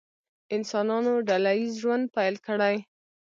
انسانانو ډله ییز ژوند پیل کړی.